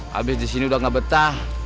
habis disini udah gak betah